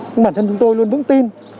nhưng bản thân chúng tôi luôn vững tin